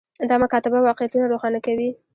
دا مکاتبه واقعیتونه روښانه کوي.